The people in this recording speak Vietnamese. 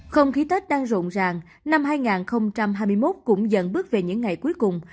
không khí tết đang rộn ràng năm hai nghìn hai mươi một cũng dần bước về những ngày cuối cùng